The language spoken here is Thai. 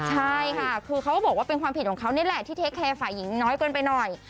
ใช่ค่ะคือเขาก็บอกว่าเป็นความผิดของเขานี่แหละที่เทคแคร์ฝ่ายหญิงน้อยเกินไปหน่อย